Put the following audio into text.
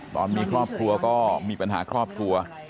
ตอนมีครอบครัวก็มีปัญหาครอบครัว